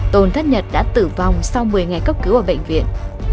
tôn thất nhật đã tử vong sau một mươi ngày cấp cứu ở bệnh viện